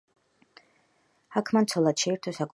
აქ მან ცოლად შეირთო საკუთარი და.